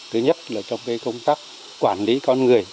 thứ nhất là trong công tác quản lý con người